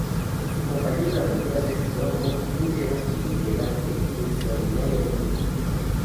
Su compañero de aventuras es "Bronco", un cheroqui elegante y extraordinariamente culto.